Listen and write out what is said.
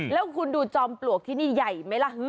แล้วคุณดูจอมปลวกที่นี่ใหญ่ไหมล่ะ